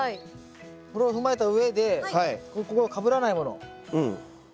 これを踏まえたうえでここがかぶらないもの。